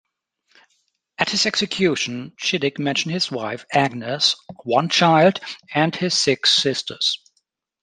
At his execution Chidiock mentions his wife Agnes, one child, and his six sisters.